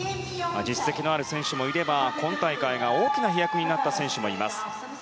実績のある選手もいれば今大会が大きな飛躍になった選手もいます。